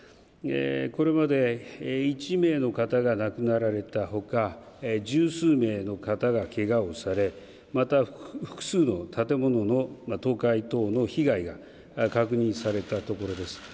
これまで１名の方が亡くなられたほか１０数名の方が、けがをされまた複数の建物の倒壊等の被害が確認されたということです。